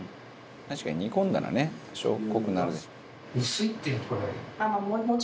「確かに煮込んだらね多少濃くなる」